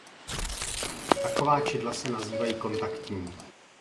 Taková čidla se nazývají kontaktní.